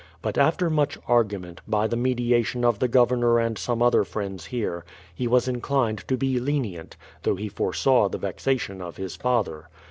But after much argument, by the mediation of the Governor and some other friends here, he was inclined to be lenient, though he foresaw the vexation of his father.